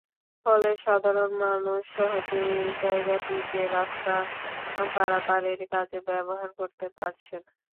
ফলে সাধারণ মানুষ সহজেই জায়গাটিকে রাস্তা পারাপারের কাজে ব্যবহার করতে পারছেন।